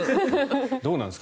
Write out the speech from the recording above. どうなんですか？